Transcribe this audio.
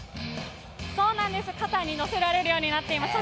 そうなんです、肩に乗せられるようになっています。